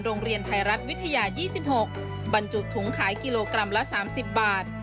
โรงเรียนไทยรัฐวิทยา๒๖บรรจุถุงขายกิโลกรัมละ๓๐บาท